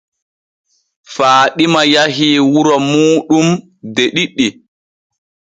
Faaɗima yahii wuro muuɗum de ɗiɗi.